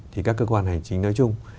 thì các cơ quan hành chính nói chung